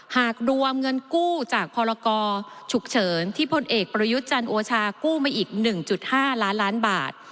หากรวมเงินกู้จากพรกรฉุกเฉินที่พลเอกประยุทธ์จันทร์โอชากู้มาอีก๑๕ล้านล้านบาท